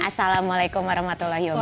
assalamualaikum warahmatullahi wabarakatuh